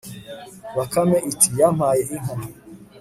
bakame iti yampaye inka